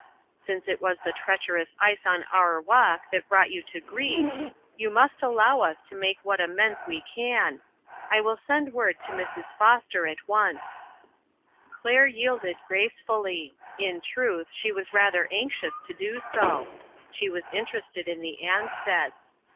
Since it was the treacherous ice on our walk that brought you to grief, you must allow us to make what amends we can. I will send word to Mrs. Foster at once." Claire yielded gracefully ; in truth, she was rather anxious to do so. She was interested in the Ansteds.